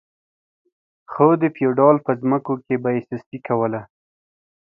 خو د فیوډال په ځمکو کې به یې سستي کوله.